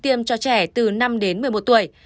tiêm cho trẻ từ năm đến một mươi một tuổi